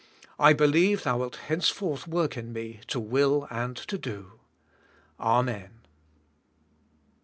I believe Thou wilt henceforth work in me to will and to do. Amen.